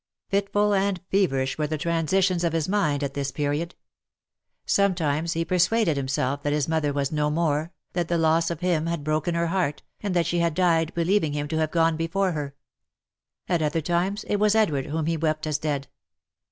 Fitful and feverish were the transitions of his mind at this period. Sometimes he persuaded himself that his mother was no more, that the loss of him had broken her heart, and that she had died, believing him to have gone before her. At other times it was Edward whom he wept as dead.